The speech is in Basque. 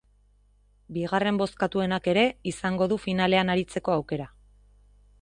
Bigarren bozkatuenak ere izango du finalean aritzeko aukera.